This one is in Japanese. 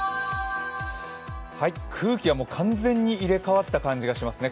空気は完全に入れ替わった感じがしますね。